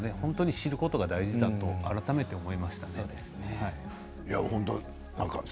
知ることが大事だと改めて思います。